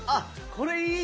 これいい！